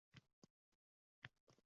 Ular bir partada o‘tirishdi.